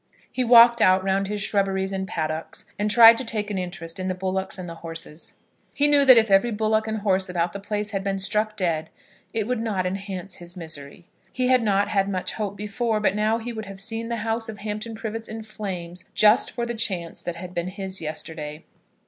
He walked out round his shrubberies and paddocks, and tried to take an interest in the bullocks and the horses. He knew that if every bullock and horse about the place had been struck dead it would not enhance his misery. He had not had much hope before, but now he would have seen the house of Hampton Privets in flames, just for the chance that had been his yesterday.